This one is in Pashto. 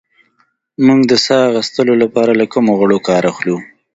موږ د ساه اخیستلو لپاره له کومو غړو کار اخلو